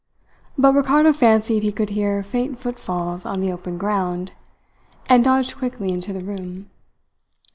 But Ricardo fancied he could hear faint footfalls on the open ground, and dodged quickly into the room.